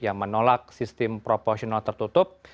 yang menolak sistem proporsional tertutup